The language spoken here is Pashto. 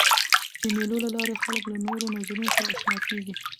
د مېلو له لاري خلک له نوو نظرونو سره آشنا کيږي.